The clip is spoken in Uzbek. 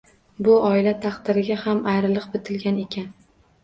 Bu oila taqdiriga ham ayriliq bitilgan ekan